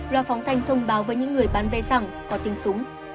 loa phóng thanh thông báo với những người bán vé rằng có tiếng súng